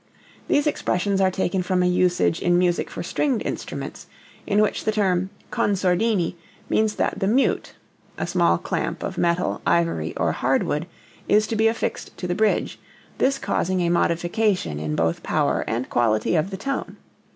These expressions are taken from a usage in music for stringed instruments, in which the term con sordini means that the mute (a small clamp of metal, ivory or hardwood) is to be affixed to the bridge, this causing a modification in both power and quality of the tone.